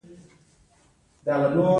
کاري پلان د ترسره کیدو نیټه لري.